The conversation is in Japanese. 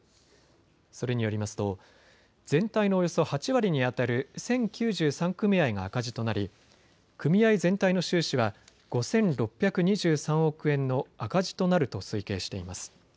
それによりますと全体のおよそ８割にあたる１０９３組合が赤字となり組合全体の収支は５６２３億円の赤字となると推計しています。